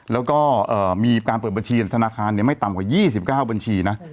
แล้วก็มีการเปิดบัญชีธนาคารไม่ต่ำกว่า๒๙บัญชีนะ